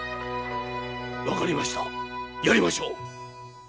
分かりましたやりましょう。